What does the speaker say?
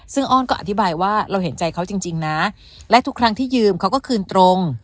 ซึ่งอ้อนก็อธิบายว่าเราเห็นใจเขาจริงนะและทุกครั้งที่ยืมเขาก็คืนตรง